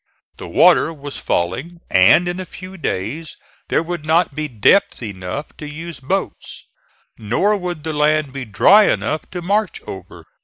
The water was falling, and in a few days there would not be depth enough to use boats; nor would the land be dry enough to march over.